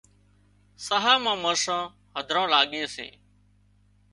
ساهَه مان مرسان هڌران لاڳي سي